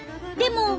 でも。